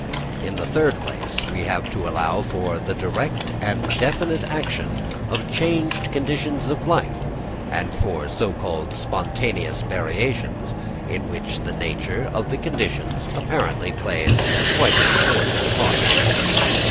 In the third place, we have to allow for the direct and definite action of changed conditions of life, and for so called spontaneous variations, in which the nature of the conditions apparently plays a quite subordinate part.